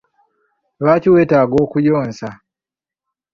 Lwaki wetaaga okuyonsa?